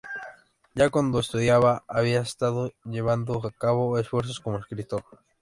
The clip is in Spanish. Ya cuando estudiaba, había estado llevando a cabo esfuerzos como escritor.